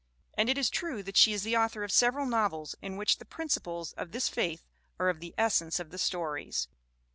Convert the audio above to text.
And it is true that she is the author of several novels in which the principles of this faith are of the essence of the stories.